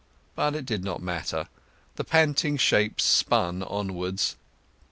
But it did not matter; the panting shapes spun onwards.